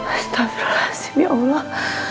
astaghfirullahaladzim ya allah